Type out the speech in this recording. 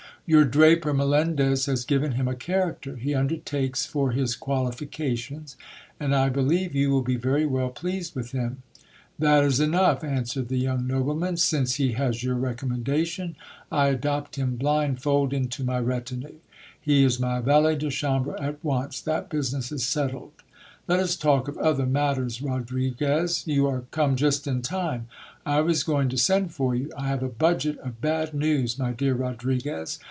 Your draper, Melendez, has given him a character ; he undert^kesfor his qualifications, and I believe you will be very well pleased with him. 'That is enough', answered the young nobleman,"since he has your recommendation, I adopt him blindfold into my retinue. He is my valet de chambre at once ; that business is settled. Let us talk of other matters, Rodriguez, you are come just in time, I was going to send for you. I have a budget of bad news, my dear Rodriguez.